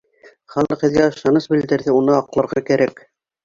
— Халыҡ һеҙгә ышаныс белдерҙе, уны аҡларға кәрәк.